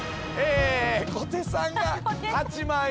小手さんが８万円。